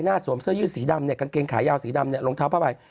หน้าสวมเสื้อยื่นสีดำเนี่ยกางเกงขายาวสีดำเนี่ยลงเท้าพอไป